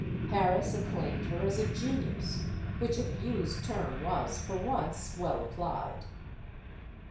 Paris acclaimed her as a genius; which abused term was for once well applied.